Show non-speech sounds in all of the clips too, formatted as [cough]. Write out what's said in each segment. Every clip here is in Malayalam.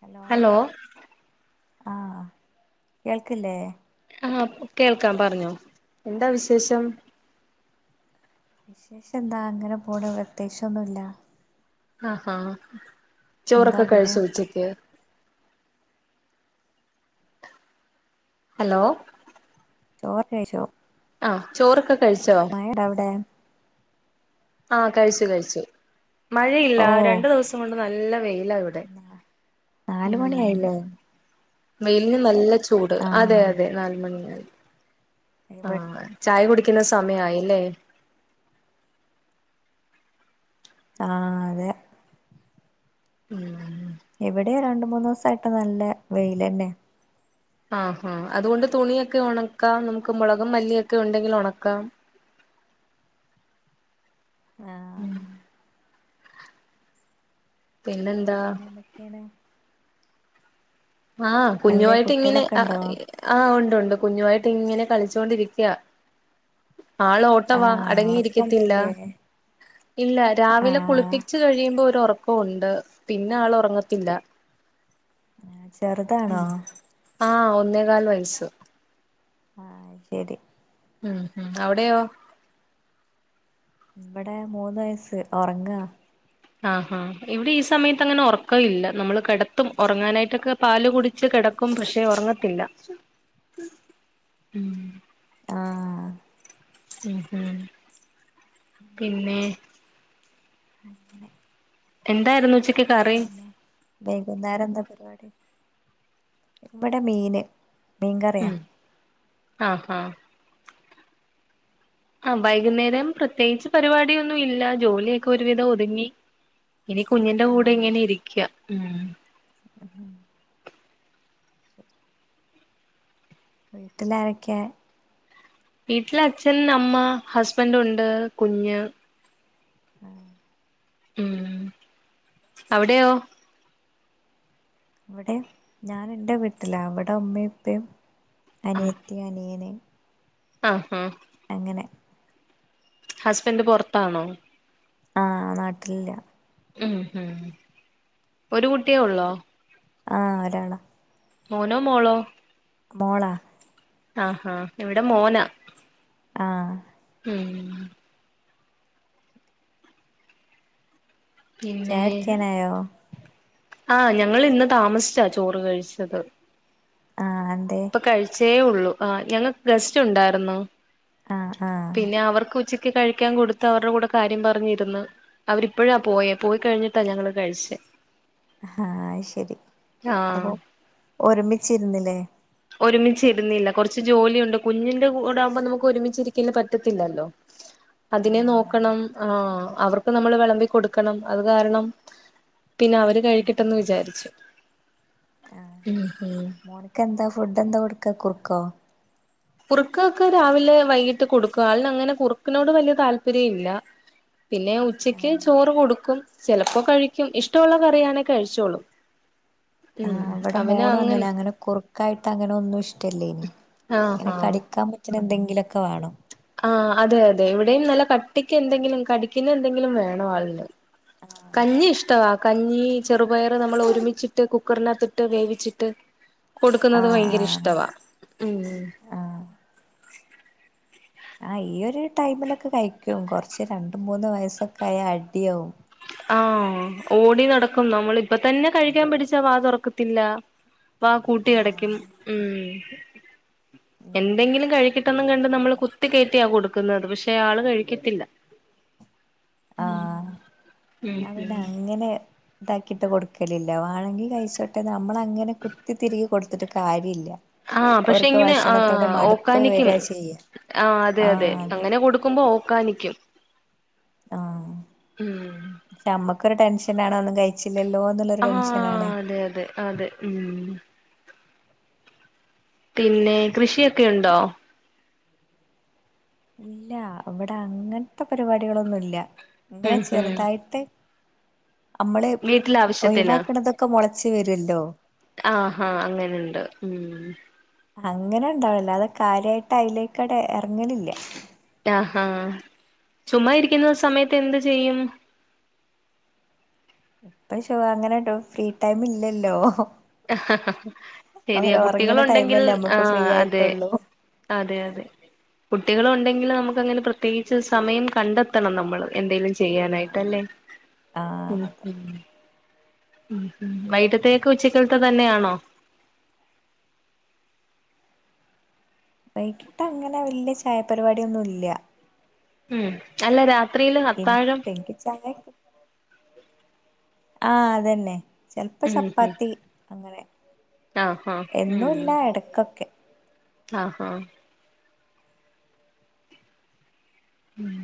ഹലോ ആ കേൾക്കില്ലേ ആ കേൾക്കാം പറഞ്ഞോ എന്താ വിശേഷം വിശേഷം എന്താ അങ്ങനെ പോണു പ്രതേകിച്ചു ഒന്നുല്ല ആ ആ ചോറൊക്കെ അവിടെ കഴിച്ചോ ഉച്ചക്ക് ഹലോ ചോറ് കഴിച്ചോ ആ ചോറൊക്കെ കഴിച്ചോ മയടാ അവിടെ ആ കഴിച്ചു കഴിച്ചു മഴയില്ല ഓ രണ്ടു ദിവസം കൊണ്ട് നല്ല വെയില് യില്ല ഇവിടെ നാല് മണി ഉം ആയല്ലോ വെയിലിന് നല്ല ചൂട് അതെയതെ നാല് മണിയായി. ആ ഇവിടെ ചായ കുടിക്ക് കുടിക്കുന്ന സമയായി ല്ലേ ആ അതെ ഉം ഇവിടെയും രണ്ട് മൂന്ന് ദിവസായിട്ട് നല്ല വെയിലന്നെ ആ ആ അതുകൊണ്ട് തുണിയൊക്കെ ഉണക്കാം നമുക്ക് മുളകുംമല്ലിയൊക്കെ ഉണ്ടെങ്കിൽ ഉണക്കാം ആ പിന്നെന്താ പിന്നെന്തൊക്കെയാണ് ആ എവിടെ കുഞ്ഞുമായിട്ട് ഇങ്ങനെ കുട്ടികളൊക്കെ ആ ഉണ്ടോ ആ ഉണ്ട് ഉണ്ട് ഇവിടെ കുഞ്ഞുമായിട്ട് ഇങ്ങനെ കളിച്ചുകൊണ്ടിരിക്കയാ ആള് ഓട്ടവാ ആഹ് അടങ്ങിയിരിക്കത്തില്ല ഉറക്കൊന്നുല്ലേ ഇല്ല രാവിലെ കുളിപ്പിച്ച് ആഹ് കഴിയുമ്പോ ഒരുറക്ക് ഉണ്ട് പിന്നെ ആൾ ഉറങ്ങത്തില്ല [unintelligible] ചെറുതാണോ ആ ഒന്നേകാൽ വയസ്സ് ആ അത് ശരി ഉം മ് അവിടെയോ ഇവിടെ മൂന്ന് വയസ്സ് ഒറങ്ങാ ആഹാ ഇവിടെ ഈ സമയത്ത് അങ്ങനെ ഒറക്കം ഇല്ല. നമ്മള് കിടത്തും ഉറങ്ങാനായിട്ടൊക്കെ പാല് കുടിച്ച് കിടക്കും പക്ഷേ ഒറങ്ങത്തില്ല മ് ആ ഉം മ് പിന്നെ അങ്ങനെ എന്തായിരുന്നുച്ചക്ക് പിന്നെ വൈകുന്നേരം എന്താ പരിപാടി? മീങ്കറിയോ ഉം ആഹ് ആഹ് ആ വൈകുന്നേരം പ്രത്യേകിച്ച് പരിപാടിയൊന്നും ഇല്ല ജോലിയൊക്കെ ഒരുവിധം ഒതുങ്ങി. ഇനി കുഞ്ഞിന്റെ കൂടെ ഇങ്ങനെ ആഹ് ഇരിക്കാ. ഉം വീട്ട്ലാരൊക്കെയാ? വീട്ടില് അച്ഛൻ, അമ്മ, ഹസ്ബന്റുണ്ട്, കുഞ്ഞ്. ആഹ് ഉം അവിടെയോ? ഇവിടേം ഞാൻ ഇന്റെ വീട്ടിലാ ഇവിടെ ഉമ്മേം ഇപ്പേം അനിയത്തി, അനിയന്. ആഹ് ആഹ് അങ്ങനെ ഹസ്ബൻഡ് പൊറത്താണോ? ആ നാട്ടിലില്ല. ഉം ഹ് ഒരു കുട്ടിയേ ഒള്ളോ ആ ഒരാള മോനോ മോളോ മോളാ ആ ഹാ ഇവിടെ മോന ആ ഉം പിന്നെ ചായകുടിക്കാനായോ ആ ഞങ്ങളിന്ന് താമസിച്ചാ ചോറ് കഴിച്ചത് ആഹ് എന്തേ ഇപ്പൊ കഴിച്ച തേയുള്ളൂ ആ ഞങ്ങക്ക് ഗസ്റ്റ് ഉണ്ടാരുന്ന് ആഹ് ആഹ് പിന്നെ അവർക്ക് ഉച്ച ക്ക് കഴിക്കാൻ കൊടുത്ത് അവരുടെ കൂടെ കാര്യം പറഞ്ഞിരുന്ന് അവരിപ്പോഴാ പോയേ പോയി കഴിഞ്ഞിട്ടാ ഞങ്ങള് കഴിച്ചേ ആഹ് അയ് ശരി ആഹ് അപ്പൊ ഒരുമിച്ചിരുന്നില്ലേ? ഒരുമിച്ചിരുന്നില്ല കുറച്ച് ജോലിയുണ്ട് കുഞ്ഞിന്റെ കൂടെ ആമ്പോ നമുക്ക് ഒരുമിച്ചിരിക്കല് പറ്റത്തില്ലല്ലോ അതിനെ ആഹ് നോക്കണം ആ അവർക്ക് നമ്മള് വിളമ്പി കൊടുക്കണം അത് കാരണം പിന്നെ അവര് കഴിക്കിട്ടന്ന് വിചാരിച്ചു ആഹ് ഉം ഹും മോനക്ക് എന്താ ഫുഡ് എന്താ കൊടുക്കാ കുറുക്കോ? കുറുക്കൊക്കെ രാവിലെ വൈകിട്ട് കൊടുക്കുക ആളിന് അങ്ങനെ കുറുക്കിനോട് വലിയ താല്പര്യം ഇല്ല പിന്നെ ഉച്ചയ്ക്ക് ആഹ് ചോറ് കൊടുക്കും ചിലപ്പോ കഴിക്കും ഇഷ്ടമുള്ള കറിയാണേ കഴിച്ചോളും ആ ഉം അവിടെ അവന് മോളും അങ്ങനെ അങ്ങനെ കുറുക്കായിട്ട് അങ്ങനെ ഒന്നും ഇഷ്ടല്ല ആഹ് പിന്നെ കടിക്കാൻ പറ്റ്ണ എന്തെങ്കി ഇതിലൊക്കെ വേണോ ആ അതെ അതെ ഇവിടെയും നല്ല കട്ടിക്ക് എന്തെങ്കിലും കടിക്കുന്ന എന്തെങ്കിലും വേണം ആളിന് കഞ്ഞി ഇഷ്ടവാ കഞ്ഞി ചെറുപയർ നമ്മൾ ഒരുമിച്ചിട്ട് കുക്കറിനാത്തിട്ട് വേവിച്ചിട്ട് ആഹ് കൊടുക്കുന്നത് ഭയങ്കര ആഹ് ഇഷ്ടവാ ഉം ആ ഈ ഒരു ടൈമിലൊക്കെ കഴിക്കും കൊറച്ച് രണ്ട് മൂന്ന് വയസ്സൊക്കെ ആയാ അടിയാവും ആഹ് ഓടി നടക്കും നമ്മള ഇപ്പ തന്നെ കഴിക്കാൻ പിടിച്ച വാ തൊറക്കത്തില്ല അ കൂട്ടി അടക്കും ആഹ് ഉം ഉം എന്തെങ്കിലും കഴിക്കിട്ടന്നും കണ്ട് നമ്മള് അതെ കുത്തി കയറ്റിയ കൊടുക് ക്കുന്നത് പക്ഷെ ആള് കഴിക്കത്തില്ല ഉം അ പിന്നെ ഉം അങ്ങനെ ഇതാക്കിട്ട് കൊടുക്കലില്ല വേണെങ്കി കഴിച്ചോട്ടെ നമ്മളങ്ങനെ കുത്തിതിരികി കൊടു നട്ട് കാരില്ല. ആ പക്ഷെ ഇങ്ങനെ ആ മടുപ്പ് ഓക്കാനിക്കും വരാ ചെയ്യ ആ അതെ അതെ അങ്ങനെ കൊടുക്കുമ്പോ കാണിക്കും ആഹ്പക്ഷെ നമ്മക്കൊരു ടെൻഷൻ നാണ് ഒന്ന് കഴിച് ആഹ് അതെ അതെ അതെ ഉം പിന്നെ കൃഷിയൊക്കെയുണ്ടോ? ഇല്ല ഇവ്ടെഅങ്ങൻത്തെപരിപാടികളൊന്നുംല്ല ഉം ഉം ഇങ്ങനെചെറ്തായിട്ട് അമ്മള് വീട്ടിലെ ഒഴിവാക്ക്ണതൊക്കെ മൊള ച്ച് വരുവല്ലോ ആഹ് ഹാ അങ്ങനണ്ട് ഉം അങ്ങനെ ഒണ്ടാവില്ല അത് കാര്യായിട്ട് അയിലേക്കടെ എറങ്ങല്ലില്ല ആഹ് ചുമ്മാ ഇരിക്കുന്ന സമയത്ത് എന്ത് ചെയ്യും? ഐശോ അങ്ങനെട്ടോ ഫ്രീ ടൈം ഇല്ലല്ലോ ശെരിയാ അവര് ഉറങ്ങണ കുട്ടികളുണ്ടെങ്കിൽ ടൈമല്ലേ നമ്മുക്ക് ഫ്രീ ആഹ് അതെ ആയിട്ടുള്ളൂ അതെ അതെ കുട്ടികളൊണ്ടെങ്കില് നമുക്ക് അങ്ങനെ പ്രത്യേകിച്ച് സമയം കണ്ടെത്തണം നമ്മള് എന്തെലും ആഹ് ചെയ്യാനായിട്ടല്ലേ ആഹ് ഉം അതെ ഉം ഉം ഉം വൈട്ടത്തെക്കു ഉച്ചക്കൽത്ത തന്നെയാണോ വൈകിട്ട് അങ്ങനെ വല്ല്യ ചായപരിപാടിയൊന്നും ഇല്ല ഉം അല്ല രാ എനിക്കിട്ട് എനിക്ക് ചായക്ക ആ അതന്നെ ചെലപ്പ ഉം ഉം ചപ്പാത്തി അങ്ങനെ ആഹ് ആഹ് എന്നുല്ല ഉം എടക്കൊക്കെ ആഹ് ആഹ് ഉം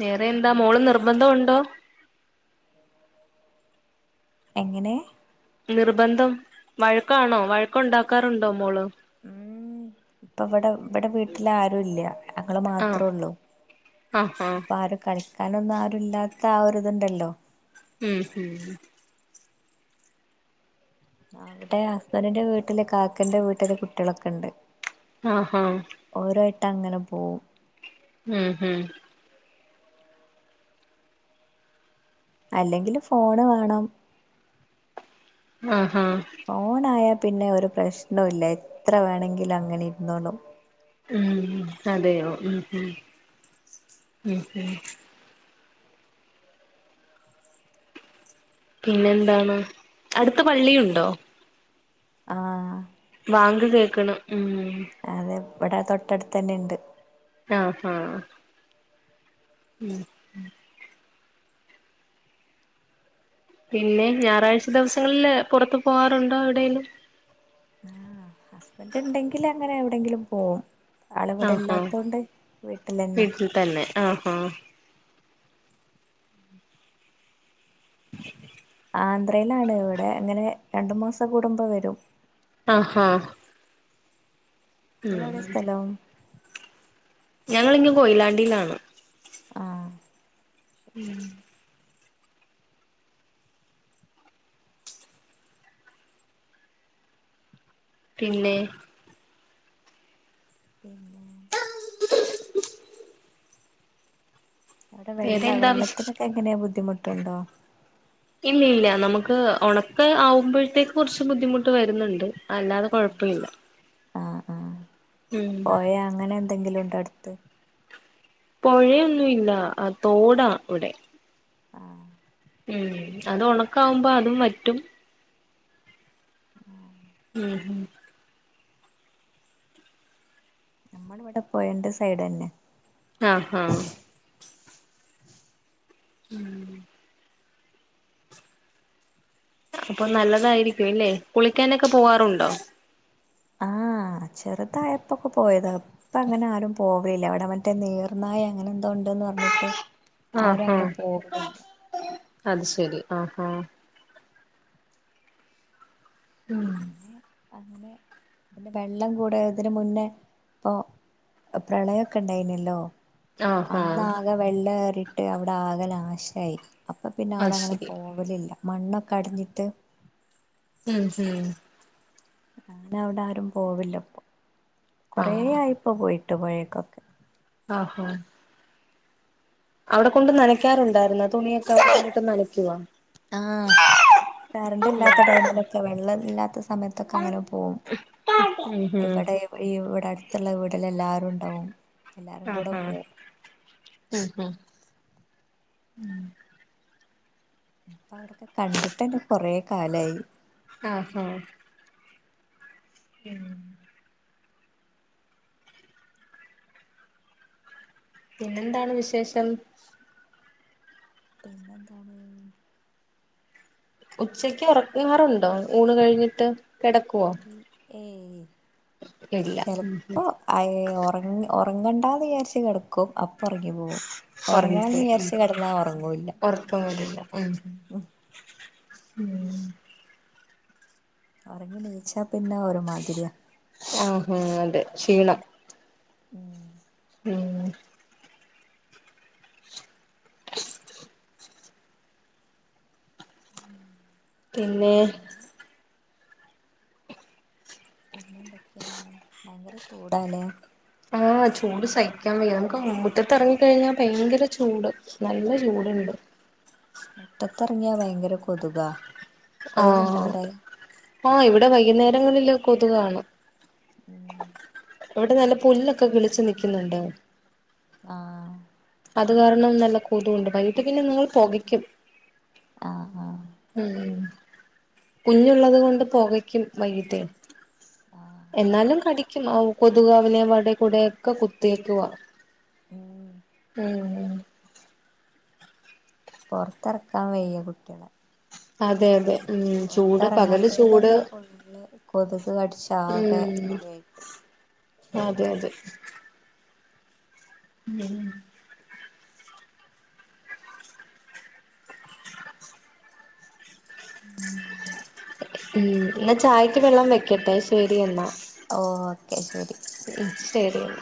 വേറെ എന്താ പിന്നെ മോള് നിർബന്ധ ഒണ്ടോ എങ്ങനെ നിർബന്ധം വഴക്കാണോ വഴക്കോണ്ടാക്കാറുണ്ടോ മോള് ഇപ്പ വിടെ ഇവിടെ വീട്ടിലാ ആരും ഇല്ല ഞങ്ങള് ആഹ് മാത്രഒള്ളൂ ആഹ് ആഹ് അപ്പോ ആരും കള കാരൊണോന്നും ആരു ഇല്ലാത്ത ആരു ഇതുണ്ടല്ലോ ഉം ഹും അവിടെ ഹസ്ബന്റിന്റെ വീട്ടില് കാക്കന്റെ വീട്ടില് കുട്ടിളൊക്ക ണ്ട് ആഹ് ഹാ ട്ടങ്ങനെ പോവും ഉം ഹും അല്ലെങ്കില് ഫോണ് വേണം ആഹ് ആഹ് ഓനായ പിന്നെ ഒരു പ്രശ്നോ ഇല്ല എത്ര വേണങ്കിലും അങ്ങനെ ഇരുന്നോള്ളും ഉം അതെയോ ഉം ഉം ഉം ഉം പിന്നെ എന്താണ് അടുത്ത് പള്ളിയുണ്ടോ ആഹ് വാങ്ക് കേക്ക്‌ണ് ഉം അതെ ഇവിടെ തൊട്ടടുത്ത് തന്നെ ണ്ട് ആ ഹാ ഉം പിന്നെ ഞാറാച ദിവസങ്ങളില് പുറത്തു പോവാറുണ്ടോ എവിടേലും ആഹ് ഹസ്ബൻഡ് ഇണ്ടെങ്കിൽ അങ്ങനെ എവിടെങ്കിലും പോകും ആഹ വീട്ടിൽ തന്നെ ആഹ ആന്ധ്രയിലാണ് ഇവിടെ ഇങ്ങനെ രണ്ടു മാസം കൂടുമ്പോ വരും ആഹാ നിങ്ങളെവിടെ സ്ഥലോ? ഞങ്ങിങ്ങ് കൊയിലാണ്ടിയിലാണ് ആഹ ഉം പിന്നെ പിന്നെ അവിടെ വേറെ വെള്ളാ എന്താ വിശേഷം വെള്ളത്തിനൊക്കെ എങ്ങനെയാ ബുദ്ധിമുട്ട് ട്ടണ്ടോ ഇല്ല ഇല്ല നമുക്ക് ഉണക്ക ആവുമ്പോഴത്തേക്ക് കുറച്ച് ബുദ്ധിമുട്ട് വരുന്നുണ്ട് അല്ലാതെ കൊഴപ്പമില്ല പോയേ അങ്ങനൊ എന്തെങ്കിലും ഉണ്ട് അടുത്ത് പുഴയൊന്നും ഇല്ല ആ തോടാ ഇവിടെ ആഹ് ഉം അത് ഉണക്കാവുമ്പോ അതും വറ്റും ഉം ഹ് നമ്മള് ഇവിടെ പോയന്റെ സൈഡ് തന്നെ ആഹ ഹാ ഉം അപ്പൊ നല്ലതായിരിക്കും അല്ലേ കുളിക്കാനൊക്കെ പോവാറുണ്ടോ ആഹ് ചെറുതായപ്പൊക്കെ പോയത് ഇപ്പ അങ്ങനെ ആരും പോവലില്ല എവിടെ മറ്റേ നീർനായ അങ്ങനെ ഉണ്ടന്ന് പറഞ്ഞിട്ട് ആരും ആഹാ അങ്ങനെ പോകണില്ല അത് ശരി ആ ആഹ പിന്നെ അങ്ങനെ ഇതിന്റെ വെള്ളം കൂടെ ഇതിനു മുന്നേ ഇപ്പൊ പ്രളയൊക്കെ ഉണ്ടായിനല്ലല്ലോ ആഹാ അന്ന് ആകെ വെള്ളം ഏറി അവിടെ ആകേ നാശമായി അപ്പൊ പിന്നെ അവിടെ അത് അങ്ങനെ ശരി പോവലില്ല മണ്ണൊക്കെ അടിഞ്ഞിട്ട്- ഉം ഹം അങ്ങനെ അവിടെ ആരും പോവില്ല ഇപ്പൊ കൊറേ ആഹ് ആയിപ്പ പോയി- പഴേക്കൊക്കെ [unintelligible] ആ ഹാ അവിടെ കൊണ്ട് നനക്കാറുണ്ടായിരുന്നോ തുണിയൊക്കെ അവിടേട്ട് നനയ്ക്കുവോ ആ കറണ്ട് ഇല്ലാത്ത ടൈമിലൊക്കെ വെള്ളഓ ഒന്നും ഇല്ലാത്തപ്പോ സമയത്തൊക്കെ അങ്ങനെ പോകും ഉം ഉം ഇവിടെ ഇവിടെ- മത്തുള്ള വീടിൽ എല്ലാരും ഉണ്ടാവും. എല്ലാരും കൂടെ ആഹാ പോവും ഉം ഉം ഇപ്പ അവിടൊക്കെ കണ്ടിട്ടന്നെ കൊറെ കാലായി ആ ആ [unintelligible] പിന്നെന്താണ് വിശേഷം പിന്നെ എന്താണ് ഉച്ചക്ക് ഉറങ്ങാറുണ്ടോ ഊണ് കഴിഞ്ഞിട്ട് കെടക്കുവോ ഈ ഏയ് ഉം ചിലപ്പോ അയ് ഉറങ്ങി ഉറ ഉറങ്ങണ്ടാന്നു വിചാരിച്ചു കിടക്കും അ പ്പോറങ്ങി പോകും ഉറങ്ങണംന്ന് ഉറങ്ങിപ്പോവും ഉം വിചാരിച്ച് കിടന്നാ ഉറങ്ങൂല്ല ഉറക്കം വരില്ല ഉം ഉം ഉറങ്ങി നീച്ച പിന്നെ ഒരുമാതിരിയാ ആഹാ അതെ ക്ഷീണം ഉം ഉം പിന്നെ പിന്നെന്തൊക്കെയാണ് ഭയങ്കര ചൂടാലേ ആ ചൂട് സഹിക്കാൻ വയ്യ നമുക്ക് മുറ്റത്ത് ഇറങ്ങി കഴിഞ്ഞാ ഭയങ്കര ചൂട് നല്ല ചൂടുണ്ട് മുറ്റത്തിറങ്ങിയാ ഭയങ്കര കൊതുകാ കൊതുകുണ്ടോ അവിടെ? ആ ഇവിടെ വൈകുന്നേരങ്ങളിലൊക്കെ കൊതുകാണും ഉം ഇവിടെ നല്ല പുല്ലൊക്കെ കിളിച്ചു നിക്കുന്നുണ്ടോ ആഹ് അത് കാരണം നല്ല കൊതുണ്ട് വൈകിട്ട് പിന്നെ നിങ്ങള് പൊകക്കും. ആ ആ ഉം കുഞ്ഞുള്ളത് കൊണ്ട് പൊകയ്ക്കും വൈകിട്ടെ ആഹ് എന്നാലും കടിക്കും ആ കൊതുകവനെ വടെ കൂടെയൊക്കെ കുത്തിയേക്കുവാ ഉം ഉം ഉം പൊറത്തെറക്കാൻ വയ്യ കുട്ട്യേളെ അതെയതെ പൊറത്തെറങ്ങാത്ത കൊണ്ടന്നെ ഫുള്ള് കൊതുക് കടിച്ച് ആകെ മുറിയായിക്ക്ണ് അതെയതെ ഉം [unintelligible] ഉം എന്നാ ചായക്ക് വെള്ളം വെക്കട്ടെ ശെരി എന്നാ ഓക്കെ ശരി മ് ശരി എന്ന